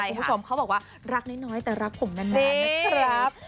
คุณผู้ชมเขาบอกว่ารักน้อยแต่รักผมนานนะครับ